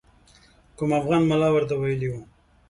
کوم افغان ملا ورته ویلي وو.